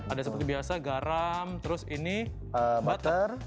ada seperti biasa garam terus ini butter